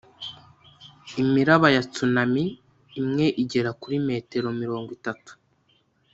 imiraba ya tsunami imwe igera kuri metero mirongo itatu.